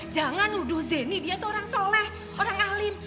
jangan nuduh zeny dia tuh orang soleh orang alim